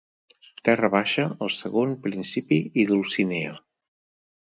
Terra Baixa, El Segon Principi i Dulcinea.